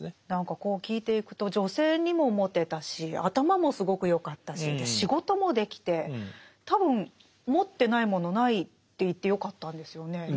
何かこう聞いていくと女性にもモテたし頭もすごく良かったし仕事もできて多分持ってないものないって言ってよかったんですよね。